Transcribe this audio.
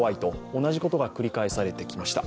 同じことが繰り返されてきました。